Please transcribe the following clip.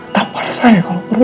tak parah saya kalau perlu